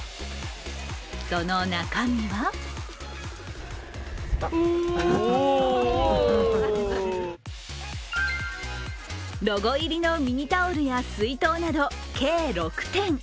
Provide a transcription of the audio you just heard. その中身はロゴ入りのミニタオルや水筒など計６点。